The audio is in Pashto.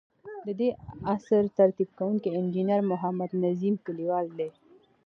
ددې اثر ترتیب کوونکی انجنیر محمد نظیم کلیوال دی.